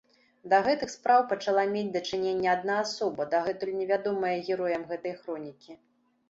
Да гэтых спраў пачала мець дачыненне адна асоба, дагэтуль невядомая героям гэтай хронікі.